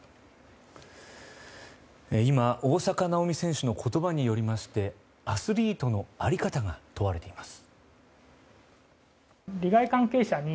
今、大坂なおみ選手の言葉によりましてアスリートの在り方が問われています。